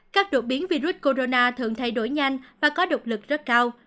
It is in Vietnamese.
các đột biến virus corona thường thay đổi nhanh và có độc lực rất cao